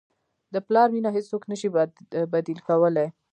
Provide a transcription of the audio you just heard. د پلار مینه هیڅوک نه شي بدیل کولی.